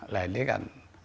nah ini kan